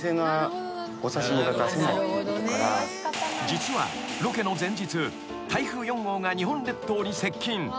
［実はロケの前日台風４号が日本列島に接近］